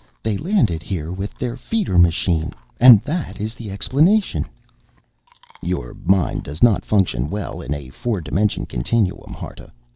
They landed here with their feeder machine. And that is the explanation." "Your mind does not function well in a four dimension continuum, Harta.